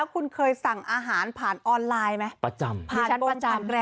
แล้วคุณเคยสั่งอาหารผ่านออนไลน์ไหม